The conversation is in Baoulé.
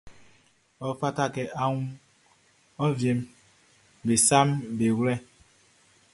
Ɔ fata kɛ a wun ɔ wienguʼm be saʼm be wlɛ.